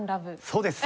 そうです！